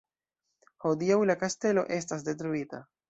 Hodiaŭ la kastelo estas detruita.